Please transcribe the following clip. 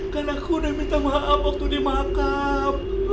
karena aku udah minta maaf waktu di makam